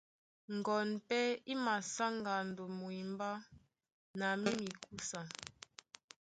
Ŋgoɔn pɛ́ í masá ŋgando mwembá na mí mikúsa.